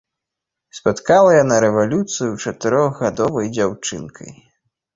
Спаткала яна рэвалюцыю чатырохгадовай дзяўчынкай.